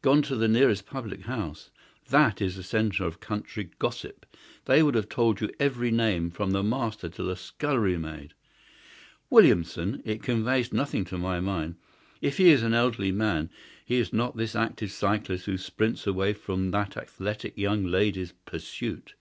"Gone to the nearest public house. That is the centre of country gossip. They would have told you every name, from the master to the scullery maid. Williamson! It conveys nothing to my mind. If he is an elderly man he is not this active cyclist who sprints away from that athletic young lady's pursuit.